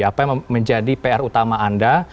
apa yang menjadi pr utama anda